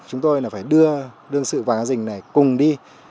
chúng tôi là phải đưa đương sự vàng a dình này cùng đi